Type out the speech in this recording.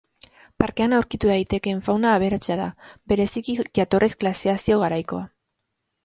Parkean aurkitu daitekeen fauna aberatsa da, bereziki jatorriz glaziazio garaikoa.